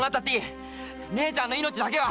姉ちゃんの命だけは！